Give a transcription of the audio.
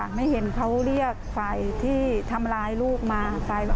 ไม่เห็นเขาเรียกฝ่ายที่ทำร้ายลูกมา